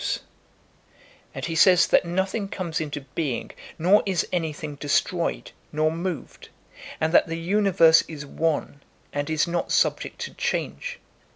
'' And he says that nothing comes into being, nor is anything destroyed, nor moved; and that the universe is one and is not subject to change.